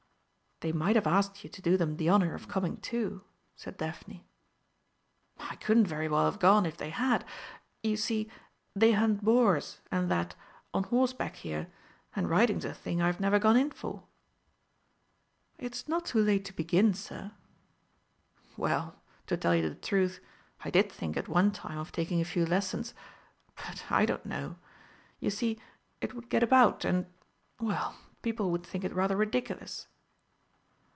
"They might have asked you to do them the honour of coming too," said Daphne. "I couldn't very well have gone if they had. You see, they hunt boars and that on horseback here, and riding's a thing I've never gone in for." "It's not too late to begin, Sir." "Well, to tell you the truth, I did think at one time of taking a few lessons. But I don't know. You see, it would get about, and well, people would think it rather ridiculous."